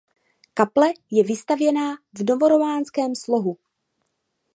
Kaple je vystavěná v novorománském slohu.